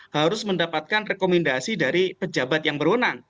harus mendapatkan rekomendasi dari pejabat yang berwenang